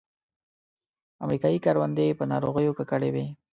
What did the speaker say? امریکایي کروندې په ناروغیو ککړې وې.